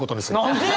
何で！？